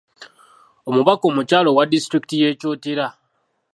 Omubaka omukyala owa diistrikt y’e Kyotera.